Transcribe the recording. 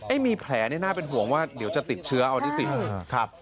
มีแผลนี่น่าเป็นห่วงว่าเดี๋ยวจะติดเชื้อเอาที่สิครับ